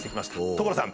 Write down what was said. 所さん！